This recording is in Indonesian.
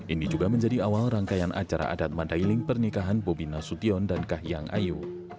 ini juga menjadi awal rangkaian acara adat mandailing pernikahan bobi nasution dan kahiyang ayu